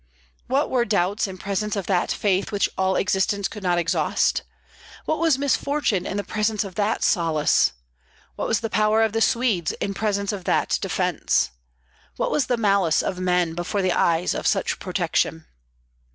What were doubts in presence of that faith which all existence could not exhaust? what was misfortune in presence of that solace? what was the power of the Swedes in presence of that defence? what was the malice of men before the eyes of such protection?